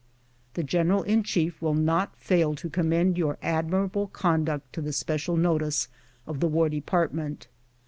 The general in chief will not fail to commend your admirable conduct to the special notice of the War Department.